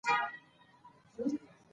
د کتاب اغیز د نقدونو په پرتله زیات دی.